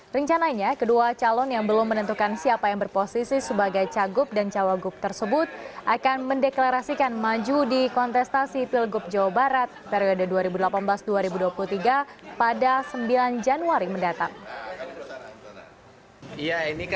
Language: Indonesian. rencananya kedua calon yang belum menentukan siapa yang berposisi sebagai cagup dan cawagup tersebut akan mendeklarasikan maju di kontestasi pilgub jawa barat periode dua ribu delapan belas dua ribu dua puluh tiga pada sembilan januari mendatang